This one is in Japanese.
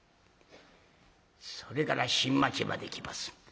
それから新町まで行きます。